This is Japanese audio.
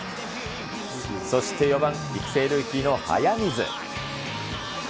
そして４番、育成ルーキーの速水。